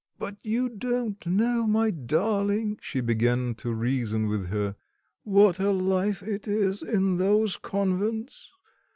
"But you don't know, my darling," she began to reason with her, "what a life it is in those convents!